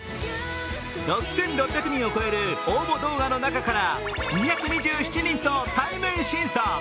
６６００人を超える応募動画の中から２２７人と対面審査。